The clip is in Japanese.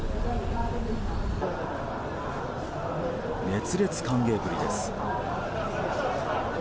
熱烈歓迎ぶりです。